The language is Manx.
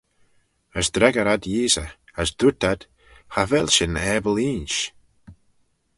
As dreggyr ad Yeesey, as dooyrt ad, cha vel shin abyl insh.